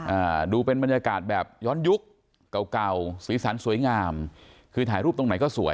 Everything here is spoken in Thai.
อ่าดูเป็นบรรยากาศแบบย้อนยุคเก่าเก่าสีสันสวยงามคือถ่ายรูปตรงไหนก็สวย